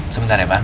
sebentar ya paham